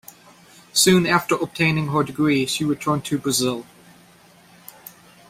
Soon after obtaining her degree, she returned to Brazil.